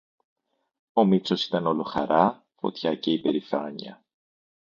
Ο Μήτσος ήταν όλος χαρά, φωτιά και υπερηφάνεια